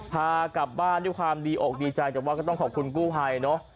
พากลับบ้านด้วยความดีอกดีใจแต่ว่าก็ต้องขอบคุณกู้ภัยเนอะ